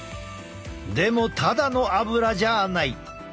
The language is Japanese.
でもただのアブラじゃない。